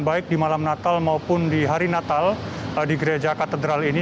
baik di malam natal maupun di hari natal di gereja katedral ini